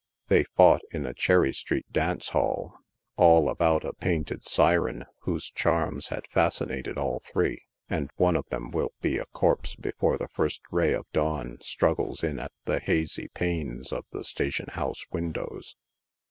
They fought in a Cherry street dance house, ail about a painted syren whose charms had fascinated all three, and one of them will be a corpse before the first ray of dawn struggles in at the hazy panes of the station house windows.